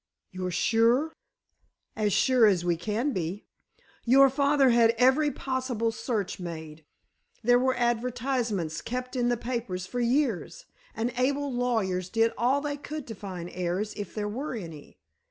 "You're sure?" "As sure as we can be. Your father had every possible search made. There were advertisements kept in the papers for years, and able lawyers did all they could to find heirs if there were any.